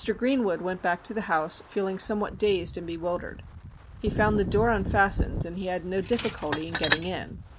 Greenwood went back to the house feeling somewhat dazed and bewildered. He found the door unfastened, and he had no difficulty in getting in.